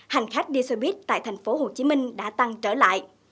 hành khách đi xe buýt tại thành phố hồ chí minh đã tăng trở lại